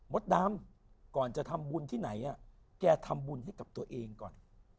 ดำก่อนจะทำบุญที่ไหนแกทำบุญให้กับตัวเองก่อน